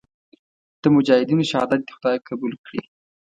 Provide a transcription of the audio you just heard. د مجاهدینو شهادت دې خدای قبول کړي.